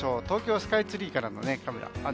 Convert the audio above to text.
東京スカイツリーからのカメラ。